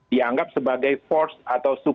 dianggap sebagai force atau